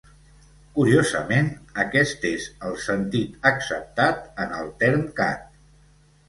Curiosament, aquest és el sentit acceptat en el Termcat.